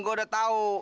gue udah tau